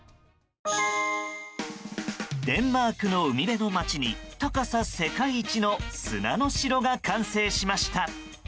デンマークの海辺の町に高さ世界一の砂の城が完成しました。